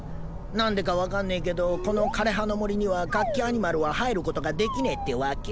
何でか分かんねえけどこの枯葉の森にはガッキアニマルは入ることができねえってわけ？